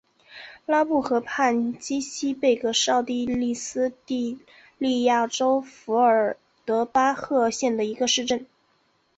拉布河畔基希贝格是奥地利施蒂利亚州费尔德巴赫县的一个市镇。